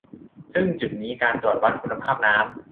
ซึ่งจุดนี้การตรวจวัดคุณภาพน้ำ